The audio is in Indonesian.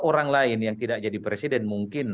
orang lain yang tidak jadi presiden mungkin